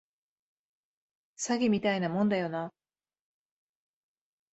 詐欺みたいなもんだよな